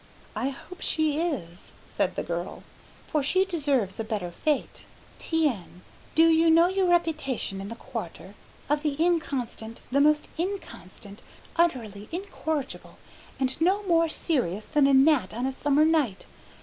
"I hope she is," said the girl, "for she deserves a better fate. Tiens, do you know your reputation in the Quarter? Of the inconstant, the most inconstant, utterly incorrigible and no more serious than a gnat on a summer night.